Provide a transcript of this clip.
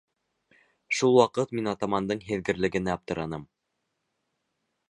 Шул ваҡыт мин Атамандың һиҙгерлегенә аптыраным.